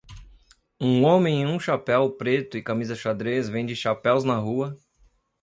Um homem em um chapéu preto e camisa xadrez vende chapéus na rua